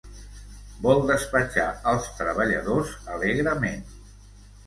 Vol despatxar els treballadors alegrement.